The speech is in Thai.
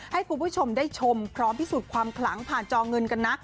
ให้คุณผู้ชมได้ชมพร้อมพิสูจน์ความขลังผ่านจอเงินกันนะ